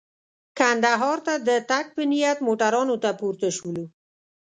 کندهار ته د تګ په نیت موټرانو ته پورته شولو.